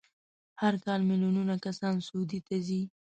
هر کال میلیونونه کسان سعودي ته ځي.